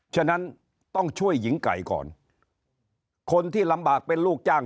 ฉะนั้นต้องช่วยหญิงไก่ก่อนคนที่ลำบากเป็นลูกจ้าง